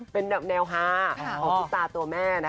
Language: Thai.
เป็นแนวหาของตัวตัวแม่